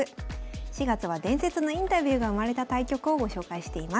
４月は伝説のインタビューが生まれた対局をご紹介しています。